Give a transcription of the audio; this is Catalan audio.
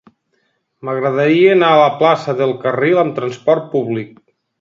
M'agradaria anar a la plaça del Carril amb trasport públic.